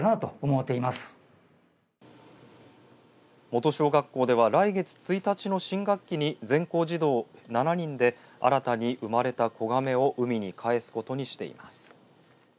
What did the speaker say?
元小学校では来月１日の新学期に全校児童７人で新たに生まれた子ガメを海に帰すことにしています。